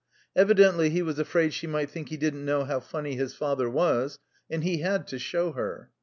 Evidently he was afraid she might think he didn't know how funny his father was, and he had to show her.